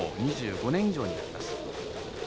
２５年以上になります。